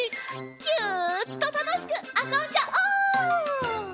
ギュッとたのしくあそんじゃおう！